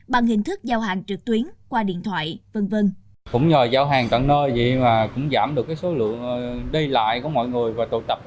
bằng hình thức giao hàng trực tuyến qua điện thoại v v